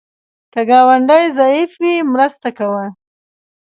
که ګاونډی ضعیف وي، مرسته کوه